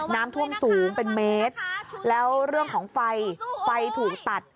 น้ำท่วมสูงเป็นเมตรแล้วเรื่องของไฟไฟถูกตัด